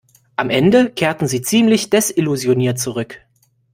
Am Ende kehrten sie ziemlich desillusioniert zurück.